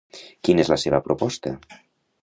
Quina és la seva proposta?